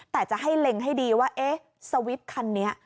แต่จะให้เล็งให้ดีว่าเอ๊ะสวิตช์คันนี้